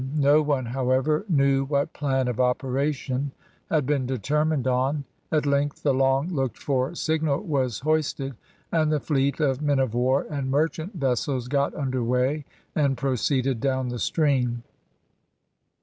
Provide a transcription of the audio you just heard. No one, however, knew what plan of operation had been determined on. At length the long looked for signal was hoisted, and the fleet of men of war and merchant vessels got under weigh and proceeded down the stream.